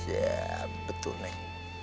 ya betul nek